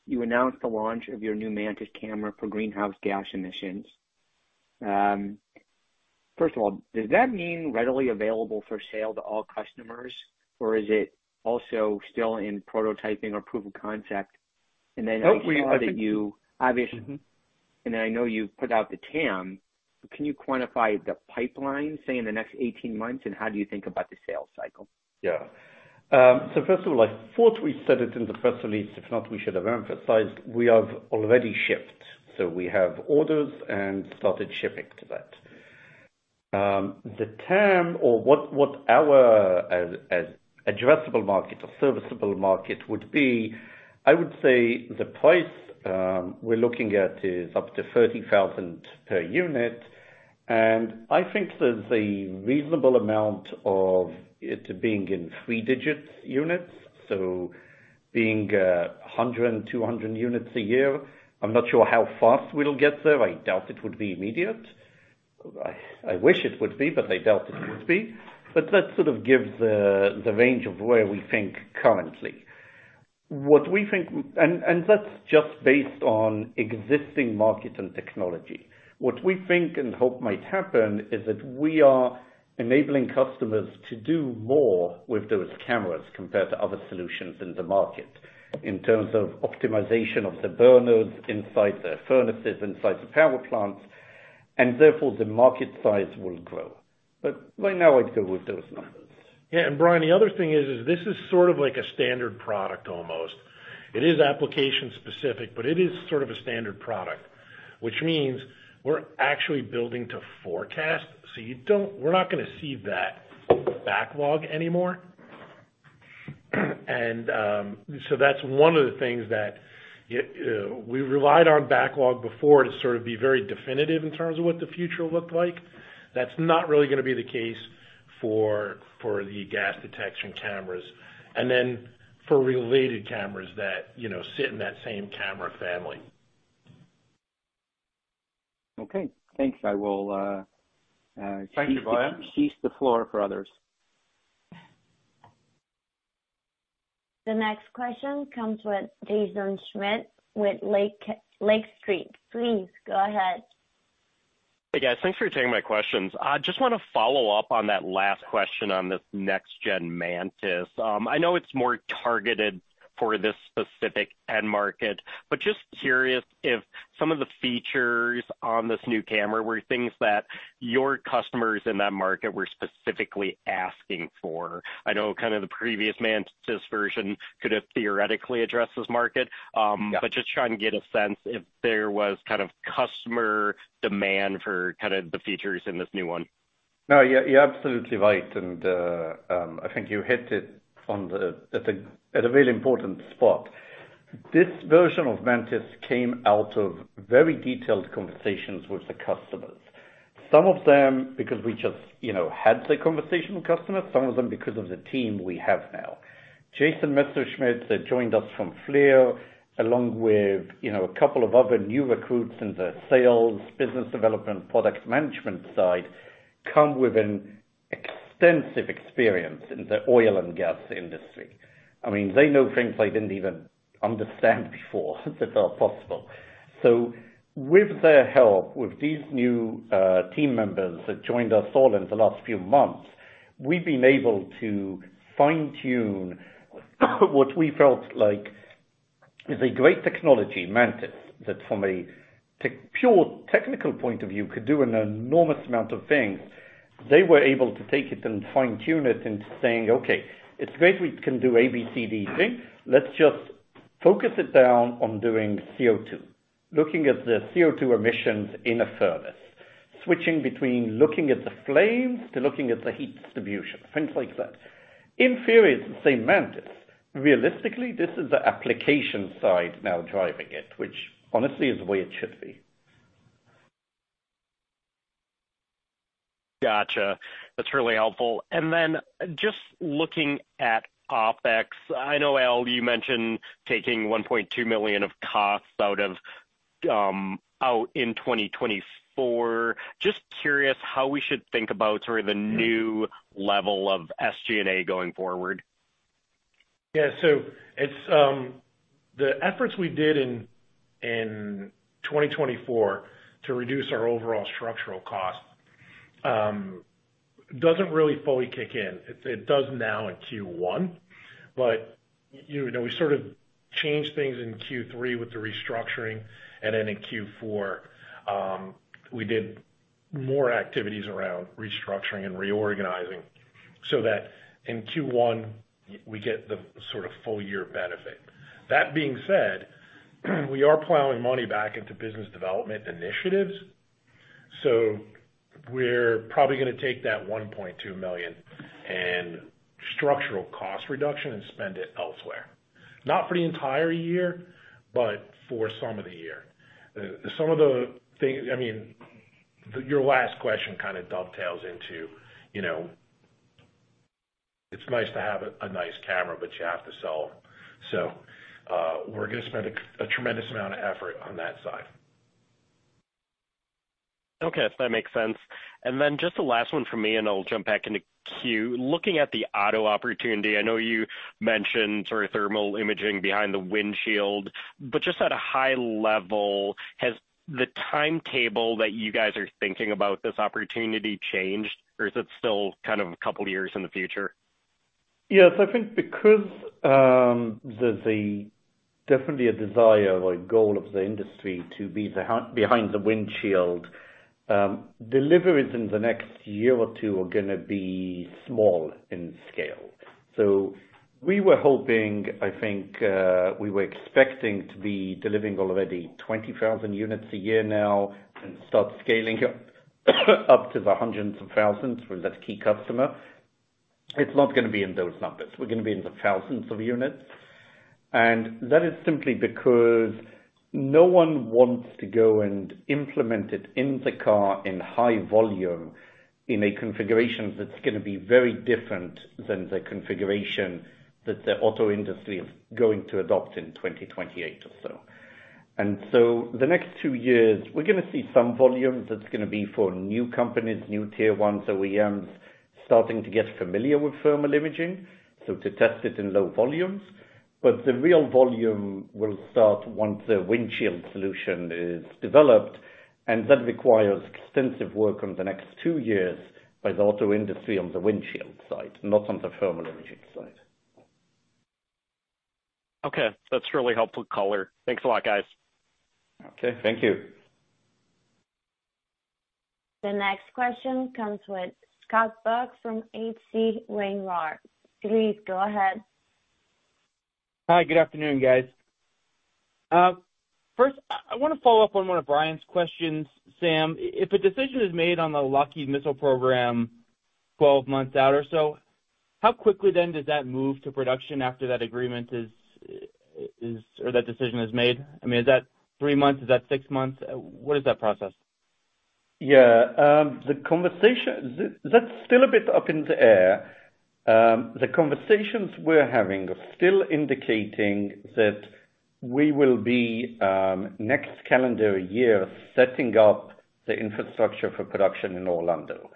you announced the launch of your new Mantis camera for greenhouse gas emissions. First of all, does that mean readily available for sale to all customers, or is it also still in prototyping or proof of concept? And then I see that. And I know you've put out the TAM, can you quantify the pipeline, say, in the next eighteen months? And how do you think about the sales cycle? Yeah, so first of all, I thought we said it in the press release. If not, we should have emphasized, we have already shipped, so we have orders and started shipping to that. The TAM or what our addressable market or serviceable market would be, I would say the price we're looking at is up to $30,000 per unit, and I think there's a reasonable amount of it being in three-digit units, so being 100, 200 units a year. I'm not sure how fast we'll get there. I doubt it would be immediate. I wish it would be, but I doubt it would be. But that sort of gives the range of where we think currently what we think and that's just based on existing market and technology. What we think and hope might happen is that we are enabling customers to do more with those cameras compared to other solutions in the market, in terms of optimization of the burners, inside the furnaces, inside the power plants, and therefore, the market size will grow. But right now, I'd go with those numbers. Yeah, and Brian, the other thing is, this is sort of like a standard product almost. It is application specific, but it is sort of a standard product, which means we're actually building to forecast. We're not gonna see that backlog anymore. And, so that's one of the things that we relied on backlog before to sort of be very definitive in terms of what the future looked like. That's not really gonna be the case for the gas detection cameras and then for related cameras that, you know, sit in that same camera family. Okay, thanks. I will, Thank you, Brian. Cede the floor for others. The next question comes with Jaeson Schmidt, with Lake Street. Please go ahead. Hey, guys. Thanks for taking my questions. I just want to follow up on that last question on this next gen Mantis. I know it's more targeted for this specific end market, but just curious if some of the features on this new camera were things that your customers in that market were specifically asking for. I know kind of the previous Mantis version could have theoretically addressed this market. Yeah. But just trying to get a sense if there was kind of customer demand for kind of the features in this new one. No, you're absolutely right, and I think you hit it at a really important spot. This version of Mantis came out of very detailed conversations with the customers. Some of them, because we just, you know, had the conversation with customers, some of them because of the team we have now. Jason Messerschmidt, that joined us from FLIR, along with, you know, a couple of other new recruits in the sales, business development, products management side, come with an extensive experience in the oil and gas industry. I mean, they know things I didn't even understand before that are possible. So with their help, with these new team members that joined us all in the last few months, we've been able to fine-tune what we felt like is a great technology, Mantis, that from a pure technical point of view, could do an enormous amount of things. They were able to take it and fine-tune it into saying, "Okay, it's great, we can do A, B, C, D, E. Let's just focus it down on doing CO2, looking at the CO2 emissions in a furnace, switching between looking at the flames to looking at the heat distribution," things like that. In theory, it's the same Mantis. Realistically, this is the application side now driving it, which honestly, is the way it should be. Gotcha. That's really helpful. And then just looking at OpEx, I know, Al, you mentioned taking $1.2 million of costs out of, out in 2024. Just curious how we should think about sort of the new level of SG&A going forward. Yeah. So it's the efforts we did in 2024 to reduce our overall structural cost doesn't really fully kick in. It does now in Q1, but you know, we sort of changed things in Q3 with the restructuring, and then in Q4 we did more activities around restructuring and reorganizing so that in Q1, we get the sort of full year benefit. That being said, we are plowing money back into business development initiatives, so we're probably gonna take that $1.2 million and structural cost reduction and spend it elsewhere. Not for the entire year, but for some of the year. Some of the things I mean, your last question kind of dovetails into, you know, it's nice to have a nice camera, but you have to sell. We're gonna spend a tremendous amount of effort on that side. Okay. That makes sense. And then just the last one from me, and I'll jump back into queue. Looking at the auto opportunity, I know you mentioned sort of thermal imaging behind the windshield, but just at a high level, has the timetable that you guys are thinking about this opportunity changed, or is it still kind of a couple of years in the future?... Yes, I think because, there's definitely a desire or goal of the industry to be hands-free behind the windshield, deliveries in the next year or two are gonna be small in scale. So we were hoping, I think, we were expecting to be delivering already 20,000 units a year now and start scaling up to the hundreds of thousands for that key customer. It's not gonna be in those numbers. We're gonna be in the thousands of units, and that is simply because no one wants to go and implement it in the car in high volume, in a configuration that's gonna be very different than the configuration that the auto industry is going to adopt in twenty twenty-eight or so. The next two years, we're gonna see some volumes that's gonna be for new companies, new Tier 1s, OEMs, starting to get familiar with thermal imaging, so to test it in low volumes, but the real volume will start once the windshield solution is developed, and that requires extensive work on the next two years by the auto industry on the windshield side, not on the thermal imaging side. Okay. That's really helpful color. Thanks a lot, guys. Okay, thank you. The next question comes with Scott Buck from H.C. Wainwright. Please go ahead. Hi, good afternoon, guys. First, I wanna follow up on one of Brian's questions, Sam. If a decision is made on the Lockheed missile program twelve months out or so, how quickly then does that move to production after that agreement is or that decision is made? I mean, is that three months? Is that six months? What is that process? Yeah, the conversation- th- that's still a bit up in the air. The conversations we're having are still indicating that we will be, next calendar year, setting up the infrastructure for production in Orlando.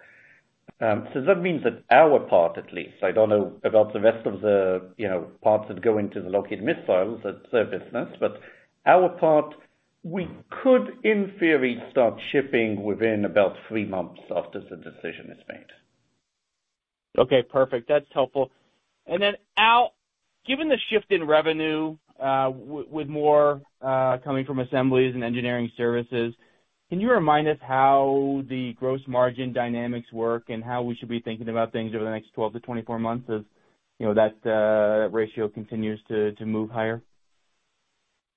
So that means that our part, at least, I don't know about the rest of the, you know, parts that go into the Lockheed missiles, that's their business. But our part, we could, in theory, start shipping within about three months after the decision is made. Okay, perfect. That's helpful. And then, Al, given the shift in revenue, with more coming from assemblies and engineering services, can you remind us how the gross margin dynamics work and how we should be thinking about things over the next 12-24 months as, you know, that ratio continues to move higher?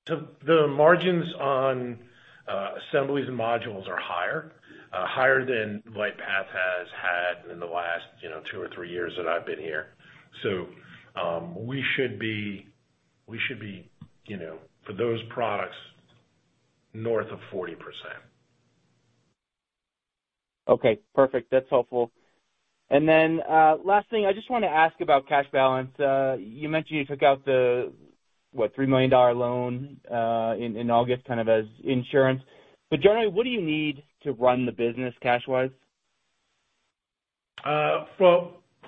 So the margins on assemblies and modules are higher than LightPath has had in the last, you know, two or three years that I've been here. So, we should be, you know, for those products, north of 40%. Okay, perfect. That's helpful. And then, last thing, I just want to ask about cash balance. You mentioned you took out the, what, $3 million loan, in August, kind of as insurance. But generally, what do you need to run the business cash-wise?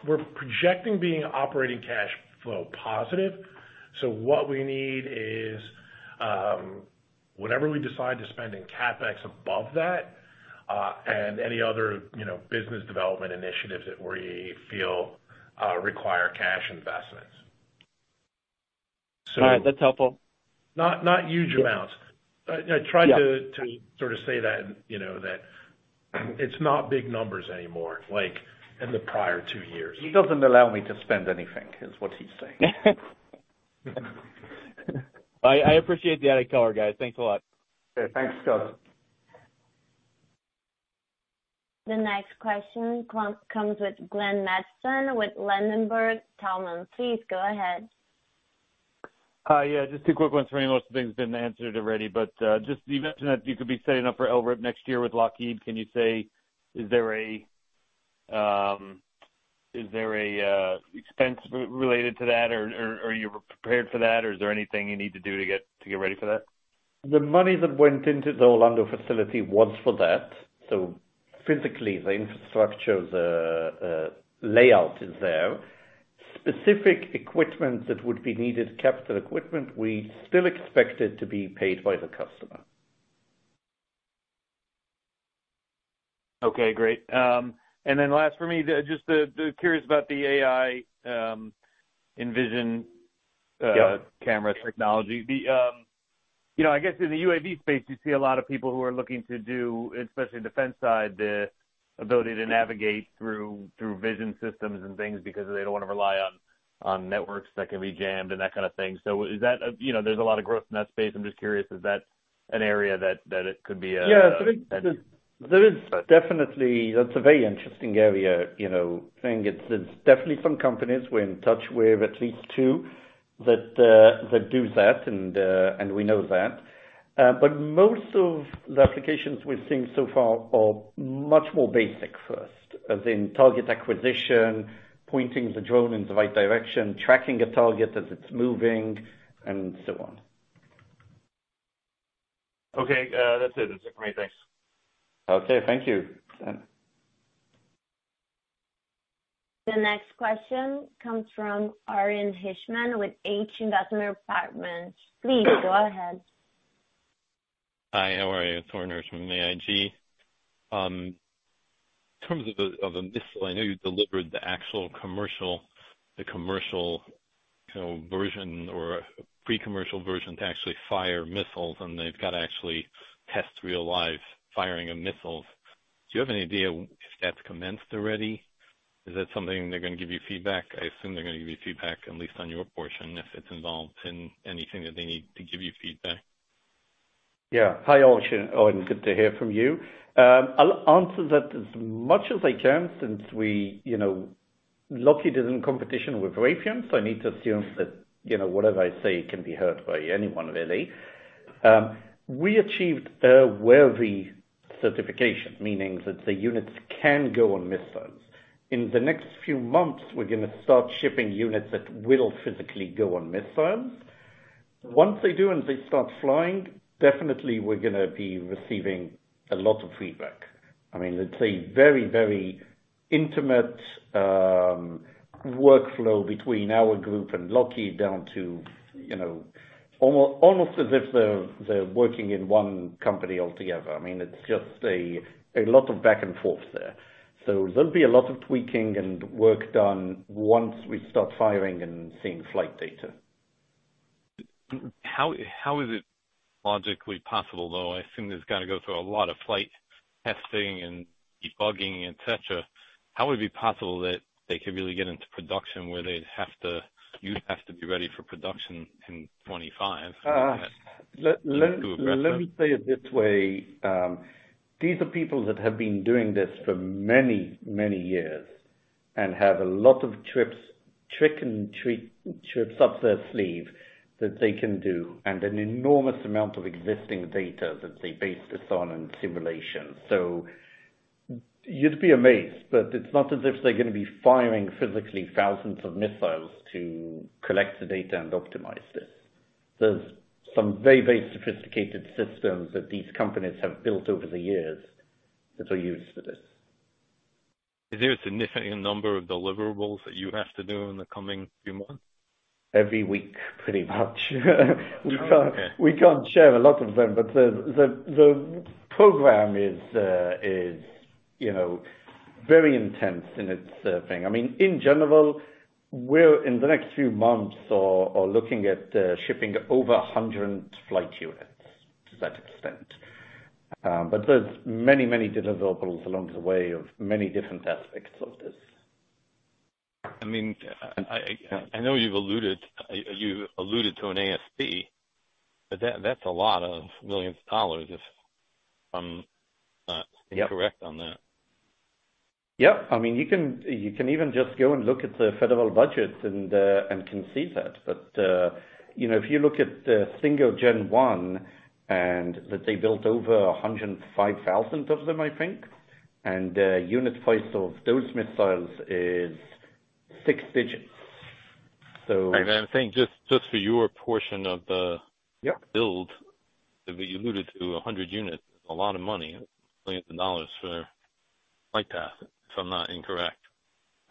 We're projecting being operating cash flow positive. So what we need is whatever we decide to spend in CapEx above that, and any other, you know, business development initiatives that we feel require cash investments. So All right. That's helpful. Not, not huge amounts. I tried to- Yeah... to sort of say that, you know, that it's not big numbers anymore, like in the prior two years. He doesn't allow me to spend anything, is what he's saying. I appreciate the added color, guys. Thanks a lot. Okay. Thanks, Scott. The next question comes with Glenn Mattson with Ladenburg Thalmann. Please go ahead. Yeah, just two quick ones for me. Most of the things have been answered already, but just you mentioned that you could be setting up for LRIP next year with Lockheed. Can you say, is there a expense related to that, or are you prepared for that, or is there anything you need to do to get ready for that? The money that went into the Orlando facility was for that. So physically, the layout is there. Specific equipment that would be needed, capital equipment, we still expect it to be paid by the customer. Okay, great, and then last for me, just curious about the AI, and vision. Yeah... camera technology. The, you know, I guess in the UAV space, you see a lot of people who are looking to do, especially defense side, the ability to navigate through vision systems and things because they don't want to rely on networks that can be jammed and that kind of thing. So is that... you know, there's a lot of growth in that space. I'm just curious, is that an area that it could be. Yeah, there is definitely. That's a very interesting area, you know. I think it's definitely some companies we're in touch with, at least two, that do that, and we know that. But most of the applications we've seen so far are much more basic first, as in target acquisition, pointing the drone in the right direction, tracking a target as it's moving, and so on. Okay, that's it. That's it for me. Thanks. Okay, thank you. The next question comes from Orin Hirschman with AIGH Investment Partners. Please go ahead.... Hi, how are you? Orin Hirschman from AIGH. In terms of the missile, I know you delivered the commercial, you know, version or pre-commercial version to actually fire missiles, and they've got to actually test real-life firing of missiles. Do you have any idea if that's commenced already? Is that something they're gonna give you feedback? I assume they're gonna give you feedback, at least on your portion, if it's involved in anything that they need to give you feedback. Yeah. Hi, Orin. Oh, and good to hear from you. I'll answer that as much as I can since we, you know, Lockheed is in competition with Raytheon, so I need to assume that, you know, whatever I say can be heard by anyone, really. We achieved airworthiness certification, meaning that the units can go on missiles. In the next few months, we're gonna start shipping units that will physically go on missiles. Once they do and they start flying, definitely we're gonna be receiving a lot of feedback. I mean, it's a very, very intimate workflow between our group and Lockheed, down to, you know, almost as if they're working in one company altogether. I mean, it's just a lot of back and forth there. So there'll be a lot of tweaking and work done once we start firing and seeing flight data. How, how is it logically possible, though? I assume there's got to go through a lot of flight testing and debugging, et cetera. How would it be possible that they could really get into production where they'd have to-- you'd have to be ready for production in 2025? Let me say it this way. These are people that have been doing this for many, many years and have a lot of tricks up their sleeve that they can do, and an enormous amount of existing data that they base this on, and simulation. You'd be amazed, but it's not as if they're gonna be firing physically thousands of missiles to collect the data and optimize this. There's some very, very sophisticated systems that these companies have built over the years that are used for this. Is there a significant number of deliverables that you have to do in the coming few months? Every week, pretty much. We can't, we can't share a lot of them, but the program is, you know, very intense in its thing. I mean, in general, we're in the next few months are looking at shipping over a hundred flight units to that extent. But there's many, many deliverables along the way of many different aspects of this. I mean, I know you've alluded to an ASP, but that's a lot of millions of dollars, if I'm not incorrect on that. Yep. I mean, you can, you can even just go and look at the federal budget and and can see that. But you know, if you look at the Stinger Gen 1, and that they built over a hundred and five thousand of them, I think, and the unit price of those missiles is six digits. So- And I'm saying just, just for your portion of the- Yep build that we alluded to, a hundred units, is a lot of money, millions of dollars for LightPath, if I'm not incorrect.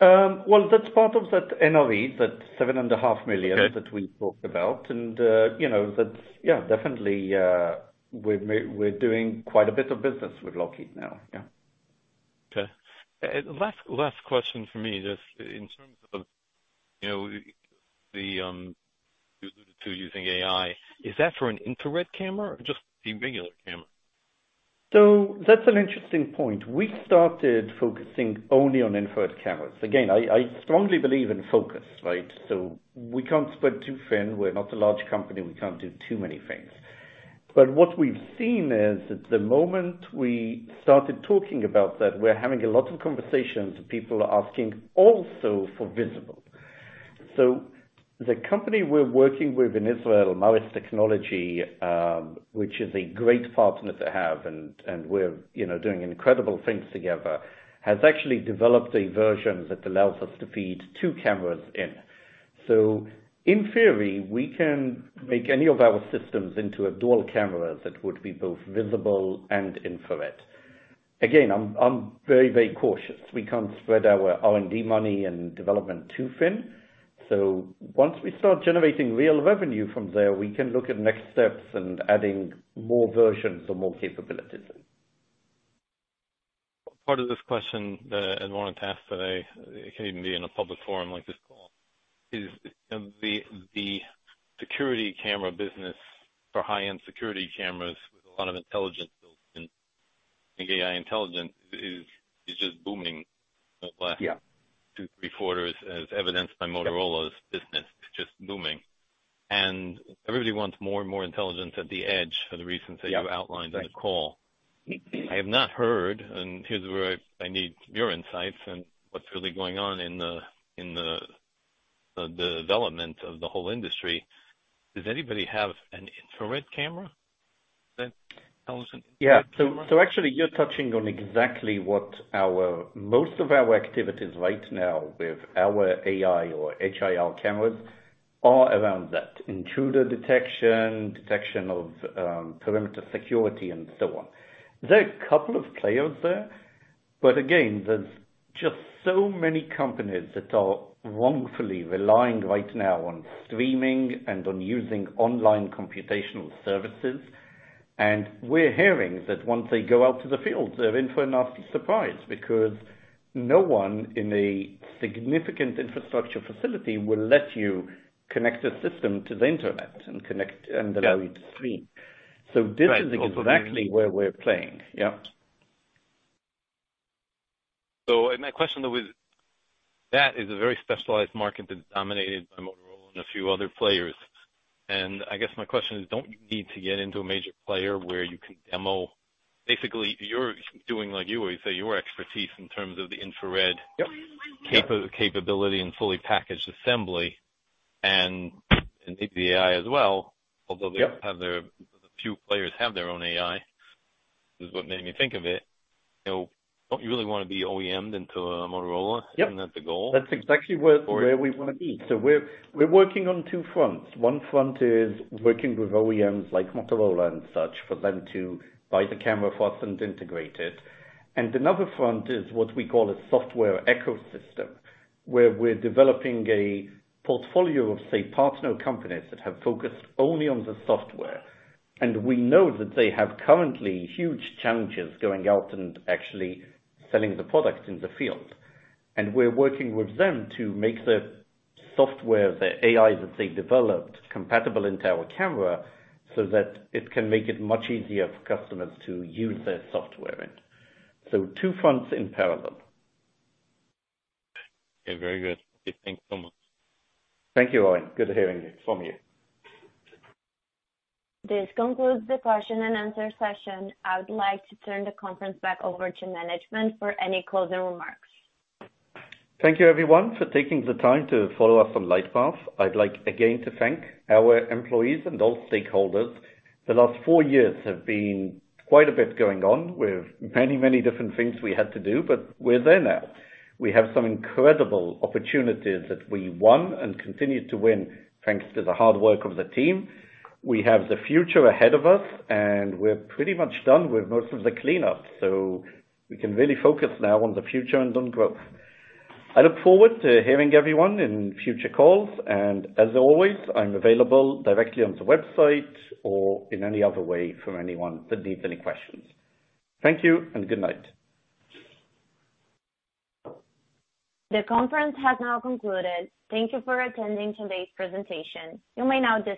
Well, that's part of that NRE, that $7.5 million- Okay... that we talked about, and you know, that's yeah, definitely, we're doing quite a bit of business with Lockheed now. Yeah. Okay. Last question for me, just in terms of, you know, you alluded to using AI, is that for an infrared camera or just the regular camera? So that's an interesting point. We started focusing only on infrared cameras. Again, I strongly believe in focus, right? So we can't spread too thin. We're not a large company, we can't do too many things. But what we've seen is that the moment we started talking about that, we're having a lot of conversations, people are asking also for visible. So the company we're working with in Israel, Maris-Tech, which is a great partner to have, and we're, you know, doing incredible things together, has actually developed a version that allows us to feed two cameras in. So in theory, we can make any of our systems into a dual camera that would be both visible and infrared. Again, I'm very, very cautious. We can't spread our R&D money and development too thin. So once we start generating real revenue from there, we can look at next steps and adding more versions or more capabilities. Part of this question that I wanted to ask today, it can even be in a public forum like this call, is the security camera business for high-end security cameras, with a lot of intelligence built in, AI intelligence is just booming. Yeah. The last two, three quarters, as evidenced by Motorola's business, is just booming, and everybody wants more and more intelligence at the edge for the reasons that you outlined in the call. I have not heard, and here's where I need your insights on what's really going on in the development of the whole industry. Does anybody have an infrared camera that tells them? Yeah. So actually, you're touching on exactly what our most of our activities right now with our AI or IR cameras are around that: intruder detection, detection of perimeter security, and so on. There are a couple of players there. But again, there's just so many companies that are wrongfully relying right now on streaming and on using online computational services, and we're hearing that once they go out to the field, they're in for a nasty surprise, because no one in a significant infrastructure facility will let you connect a system to the internet and connect and allow you to stream. So this is exactly where we're playing. Yep. So and my question, though, is that is a very specialized market that's dominated by Motorola and a few other players. And I guess my question is, don't you need to get into a major player where you can demo? Basically, you're doing like you always say, your expertise in terms of the infrared- Yep. capability and fully packaged assembly and maybe AI as well. Yep. Few players have their own AI, is what made me think of it. You know, don't you really want to be OEMed into a Motorola? Yep. Isn't that the goal? That's exactly where we want to be, so we're working on two fronts. One front is working with OEMs like Motorola and such, for them to buy the camera for us and integrate it, and another front is what we call a software ecosystem, where we're developing a portfolio of, say, partner companies that have focused only on the software, and we know that they have currently huge challenges going out and actually selling the product in the field. And we're working with them to make the software, the AI that they developed, compatible into our camera, so that it can make it much easier for customers to use their software, so two fronts in parallel. Okay, very good. Okay, thanks so much. Thank you, Orin. Good to hear from you. This concludes the question and answer session. I would like to turn the conference back over to management for any closing remarks. Thank you, everyone, for taking the time to follow us on LightPath. I'd like again to thank our employees and all stakeholders. The last four years have been quite a bit going on, with many, many different things we had to do, but we're there now. We have some incredible opportunities that we won and continue to win, thanks to the hard work of the team. We have the future ahead of us, and we're pretty much done with most of the cleanup, so we can really focus now on the future and on growth. I look forward to hearing everyone in future calls, and as always, I'm available directly on the website or in any other way for anyone that needs any questions. Thank you and good night. The conference has now concluded. Thank you for attending today's presentation. You may now disconnect.